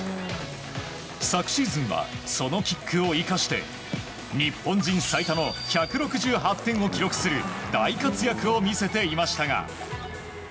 昨シーズンはそのキックを生かして日本人最多の１６８点を記録する大活躍を見せていましたが。